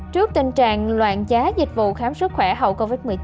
trước tình trạng loạn giá dịch vụ khám sức khỏe hậu covid một mươi chín